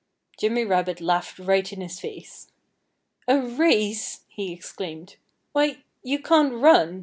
Jimmy Rabbit laughed right in his face. "A race!" he exclaimed. "Why you can't run.